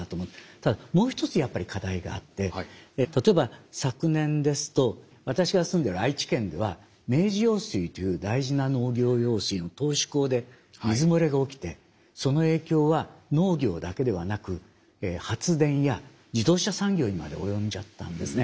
ただもう一つやっぱり課題があって例えば昨年ですと私が住んでる愛知県では明治用水という大事な農業用水の頭首工で水漏れが起きてその影響は農業だけではなく発電や自動車産業にまで及んじゃったんですね。